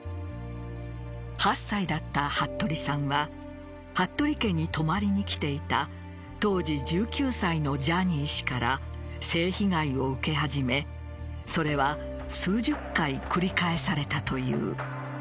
８歳だった服部さんは服部家に泊まりに来ていた当時１９歳のジャニー氏から性被害を受け始めそれは数十回繰り返されたという。